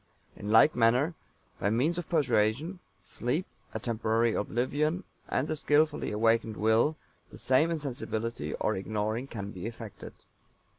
In like manner, by means of persuasion, sleep, a temporary oblivion, and the skillfully awakened Will, the same insensibility or ignoring can be effected.